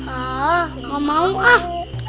ah gak mau ah